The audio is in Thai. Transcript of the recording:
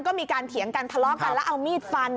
ก็มีการเถียงกันทะเลาะกันแล้วเอามีดฟัน